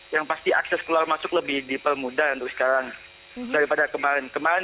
yang pasti akses keluar masuk lebih dipermudah untuk sekarang daripada kemarin kemarin